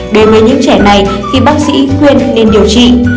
đối với những trẻ này thì bác sĩ khuyên nên điều trị